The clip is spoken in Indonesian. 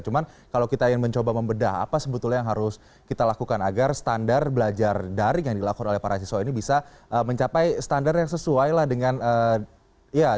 cuma kalau kita ingin mencoba membedah apa sebetulnya yang harus kita lakukan agar standar belajar daring yang dilakukan oleh para siswa ini bisa mencapai standar yang sesuai dengan dunia pendidikan yang saat ini berada di dalam